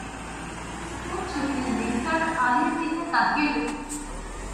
স্থির চোখে নিসার আলির দিকে তাকিয়ে রইলেন।